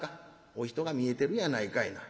お人が見えてるやないかいな。